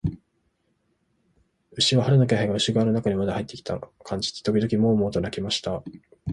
牛は、春の気配が牛小屋の中にまで入ってきたのを感じて、時々モウ、モウと鳴きました。